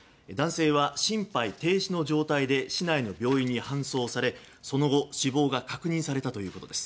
男性は心肺停止の状態で市内の病院に搬送されその後死亡が確認されました。